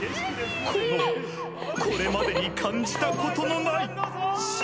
このこれまでに感じたことのない幸せは